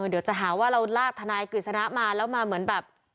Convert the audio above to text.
เดี๋ยวจะหาว่าเราลากทนายกฤษณะมาแล้วมาเหมือนแบบ